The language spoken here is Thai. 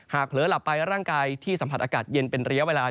เผลอหลับไปร่างกายที่สัมผัสอากาศเย็นเป็นระยะเวลา